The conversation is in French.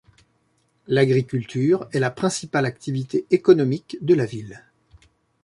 L'agriculture est la principale activité économique de la ville.